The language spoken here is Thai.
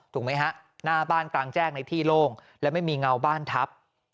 ไหมฮะหน้าบ้านกลางแจ้งในที่โล่งและไม่มีเงาบ้านทับ